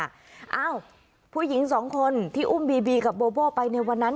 เอ้าผู้หญิงสองคนที่อุ้มบีบีกับโบโบ้ไปในวันนั้น